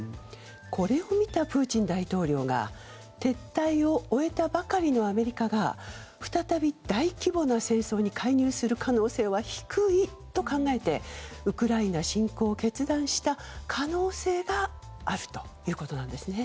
これを見たプーチン大統領が撤退を終えたばかりのアメリカが再び大規模な戦争に介入する可能性は低いと考えてウクライナ侵攻を決断した可能性があるということなんですね。